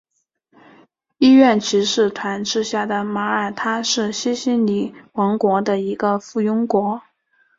医院骑士团治下的马耳他是西西里王国的一个附庸国。